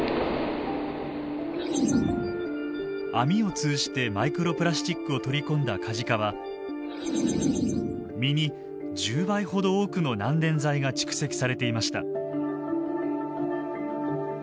アミを通じてマイクロプラスチックを取り込んだカジカは身に１０倍ほど多くの難燃剤が蓄積されていました。